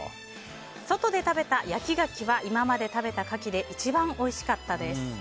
外で食べた焼きガキは今まで食べたカキで一番おいしかったです。